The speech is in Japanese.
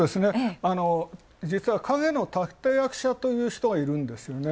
実は陰の立役者という人がいるんですよね。